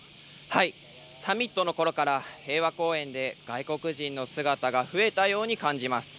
サミットのころから平和公園で外国人の姿が増えたように感じます。